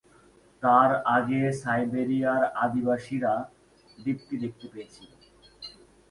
তার আগে সাইবেরিয়ার আদিবাসীরা দ্বীপটি দেখতে পেয়েছিল।